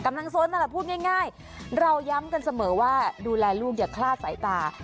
กำลังส้นอะแหละพูดง่ายง่ายเราย้ำกันเสมอว่าดูแลลูกอย่าคลาดสายตา